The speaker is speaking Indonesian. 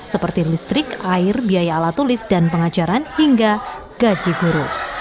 seperti listrik air biaya alat tulis dan pengajaran hingga gaji guru